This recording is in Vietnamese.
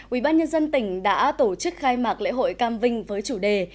ubnd tỉnh đã tổ chức khai mạc lễ hội cam vinh với chủ đề